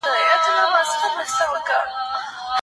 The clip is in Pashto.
کوم عوامل انسان دې ته هڅوي چي پر ځان بشپړ باور ولري؟